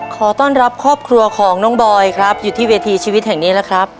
ขอต้อนรับครอบครัวของน้องบอยครับอยู่ที่เวทีชีวิตแห่งนี้แล้วครับ